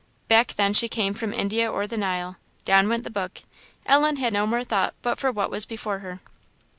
Back then she came from India or the Nile; down went the book; Ellen had no more thought but for what was before her.